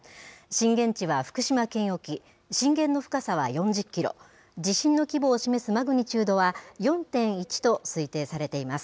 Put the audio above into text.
震源地は福島県沖、震源の深さは４０キロ、地震の規模を示すマグニチュードは４．１と推定されています。